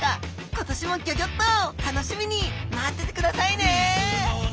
今年もギョギョッと楽しみに待っててくださいね